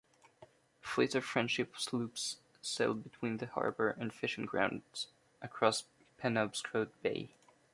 Fleets of Friendship Sloops sailed between the harbor and fishing grounds across Penobscot Bay.